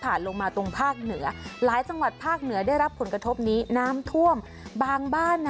ลงมาตรงภาคเหนือหลายจังหวัดภาคเหนือได้รับผลกระทบนี้น้ำท่วมบางบ้านนะ